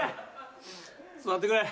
座ってくれ。